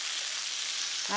あ